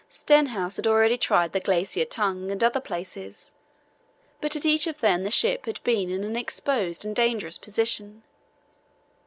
Stenhouse had already tried the Glacier Tongue and other places, but at each of them the ship had been in an exposed and dangerous position.